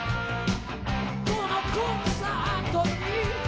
「このコンサートに」